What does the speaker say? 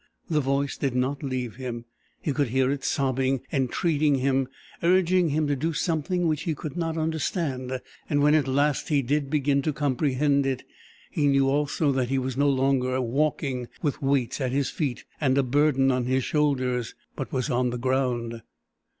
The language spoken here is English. The voice did not leave him. He could hear it sobbing, entreating him, urging him to do something which he could not understand; and when at last he did begin to comprehend it he knew also that he was no longer walking with weights at his feet and a burden on his shoulders, but was on the ground.